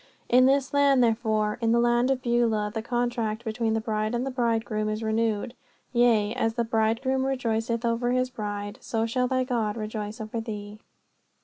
In this land, therefore, in the land of Beulah, the contract between the bride and the bridegroom is renewed; yea, as the bridegroom rejoiceth over his bride, so shall thy God rejoice over thee.